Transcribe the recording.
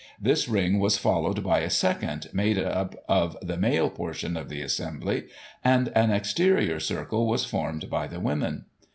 This ring was followed by a second, made up of the male portion of the assembly ; and an exterior circle was formed by the women.